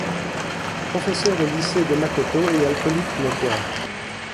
Professeur au lycée de Makoto et alcoolique notoire.